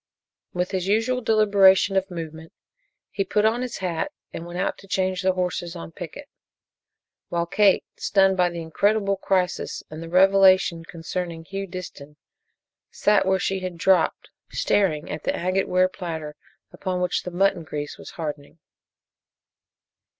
With his usual deliberation of movement he put on his hat and went out to change the horses on picket, while Kate, stunned by the incredible crisis and the revelation concerning Hugh Disston, sat where she had dropped, staring at the agate ware platter upon which the mutton grease was hardening.